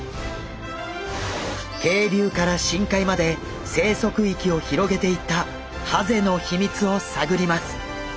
渓流から深海まで生息域を広げていったハゼの秘密を探ります。